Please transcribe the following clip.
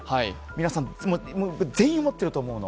皆さん、全員思ってると思うの。